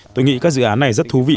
tôi nghĩ các dự án này rất thú vị